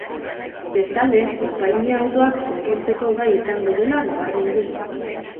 Bestalde, konpainia autoak konpontzeko gai izango dela nabarmendu du.